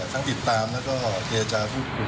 ทั้งติดตามและเทศจาภูมิคุณ